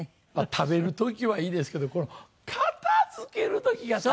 食べる時はいいですけどこの片付ける時が大変！